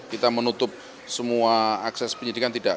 kita menutup semua akses penyidikan tidak